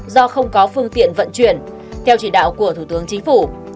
do không có phương tiện vận chuyển theo chỉ đạo của thủ tướng chính phủ